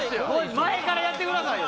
前からやってくださいよ！